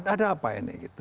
ada apa ini gitu